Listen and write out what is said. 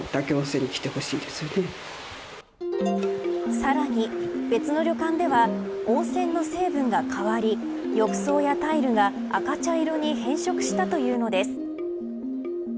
さらに別の旅館では温泉の成分が変わり浴槽やタイルが赤茶色に変色したというのです。